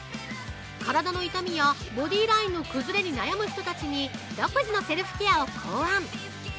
体の痛みやボディーラインの崩れに悩む人たちに独自のセルフケアを考案。